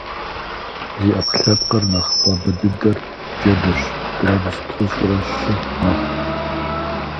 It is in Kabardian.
Зи Ӏэпкълъэпкъыр нэхъ хуабэ дыдэр джэдырщ - градус плӏыщӏрэ щы мэхъу.